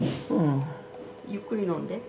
ゆっくり飲んで。